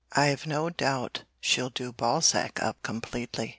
I've no doubt she'll do Balzac up completely.